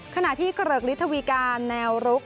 ขณะที่เกริกฤทธวีการแนวรุก